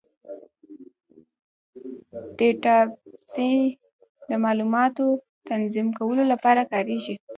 ډیټابیس د معلوماتو تنظیم کولو لپاره کارېږي.